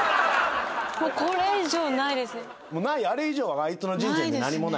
これ以上ないですね。